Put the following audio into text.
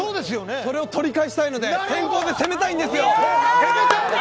それを取り返したいので先攻で攻めたいんですよ。